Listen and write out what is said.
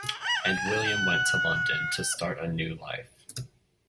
And William went to London, to start a new life.